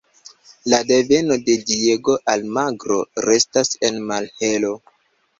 La deveno de Diego Almagro restas en malhelo.